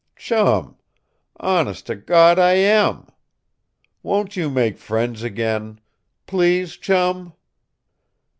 Chum! Honest to Gawd, I am! Won't you make friends again? PLEASE, Chum!"